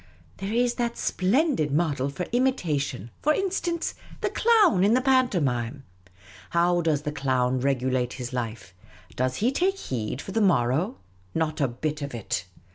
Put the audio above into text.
There is that splendid model for imitation, for in stance, the Clown in the pantomime. How does Clown regulate his life ? Does he take heed for the morrow ? Not a bit of it